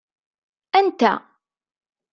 Anta?